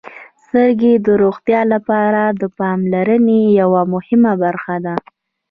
• سترګې د روغتیا لپاره د پاملرنې یوه مهمه برخه ده.